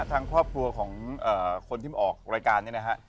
ทางครอบครัวของคนที่มาออกรายการเนี่ยนะฮะ